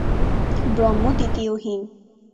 ব্রহ্ম ‘দ্বিতীয়হীন’।